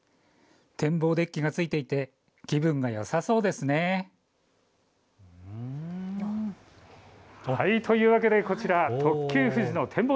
展望デッキがついていて気分がよさそうですよね。というわけでこちら、特急富士の展望